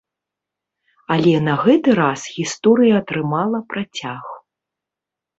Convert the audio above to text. Але на гэты раз гісторыя атрымала працяг.